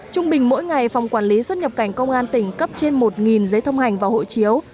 trung bình mỗi ngày phòng quản lý xuất nhập cảnh công an tỉnh cấp trên một giấy thông hành và hộ chiếu